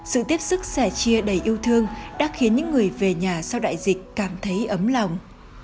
sự tiếp sức sẻ chia đầy yêu thương đã khiến những người về nhà sau đại dịch cảm thấy ấm lòng